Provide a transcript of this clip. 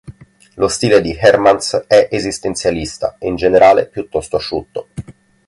Lo stile di Hermans è esistenzialista e in generale piuttosto asciutto.